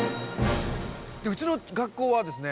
うちの学校はですね